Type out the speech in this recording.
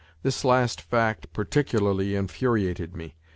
This last fact par ticularly infuriated me.